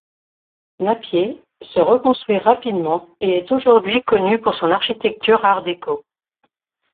Napier se reconstruit rapidement et est aujourd'hui connu pour son architecture art déco.